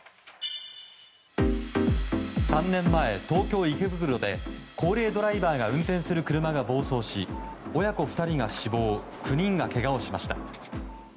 ３年前、東京・池袋で高齢ドライバーが運転する車が暴走し親子２人が死亡９人がけがをしました。